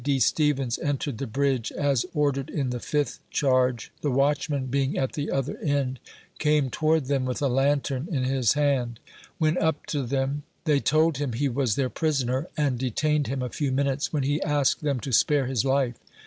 D. Stevens entered the bridge, as ordered in the fifth charge, the watchman, being at the other end, came toward them with a lantern in his hand. When up to them, they told him he was their prisoner, and detained him a few minutes, when he asked them to spare his life.